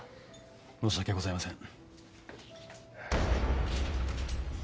申し訳ございません。